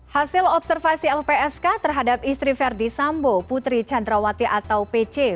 hasil observasi lpsk terhadap istri verdi sambo putri candrawati atau pc